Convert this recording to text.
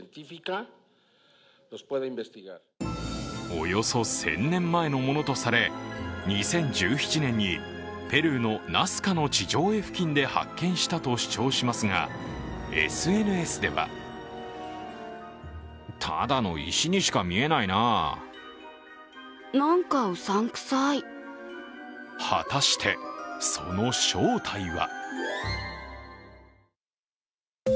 およそ１０００年前のものとされ、２０１７年にペルーのナスカの地上絵付近で発見したと主張しますが、ＳＮＳでは果たして、その正体は？